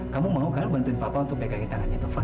kamu mau kan bantuin papa untuk pegangin tangannya taufan